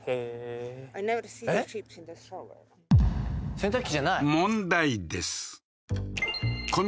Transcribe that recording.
洗濯機じゃない？